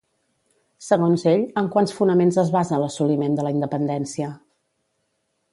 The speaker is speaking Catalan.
Segons ell, en quants fonaments es basa l'assoliment de la independència?